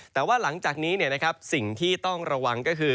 แต่ว่าหลังจากนี้สิ่งที่ต้องระวังก็คือ